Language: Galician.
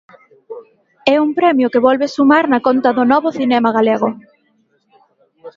É un premio que volve sumar na conta do Novo Cinema Galego.